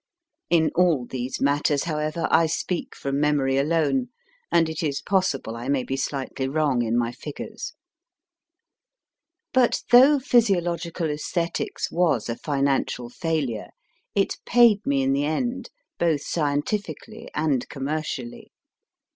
In all these matters, however, I speak from memory alone, and it is possible I may be slightly wrong in my figures. But though Physiological /Esthetics was a financial failure, it paid me in the end, both scientifically and com mercially.